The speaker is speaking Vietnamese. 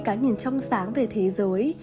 các nhìn trong sáng về thế giới